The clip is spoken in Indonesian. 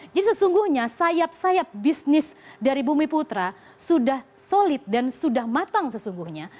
jadi sesungguhnya sayap sayap bisnis dari bumi putra sudah solid dan sudah matang sesungguhnya